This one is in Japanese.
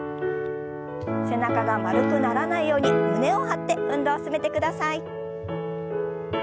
背中が丸くならないように胸を張って運動を進めてください。